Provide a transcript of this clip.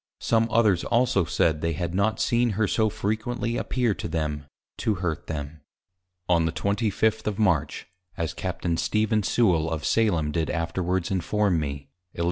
Some others also said they had not seen her so frequently appear to them, to hurt them. On the 25th. of March (as Capt. Stephen Sewal of Salem did afterwards inform me) _Eliz.